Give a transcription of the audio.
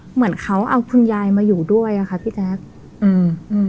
เหมือนเขาเอาคุณยายมาอยู่ด้วยอ่ะค่ะพี่แจ๊คอืมอืม